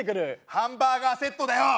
ハンバーガーセットだよ！